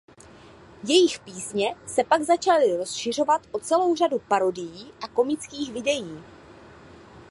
Jejich písně se pak začaly rozšiřovat o celou řadu parodií a komických videí.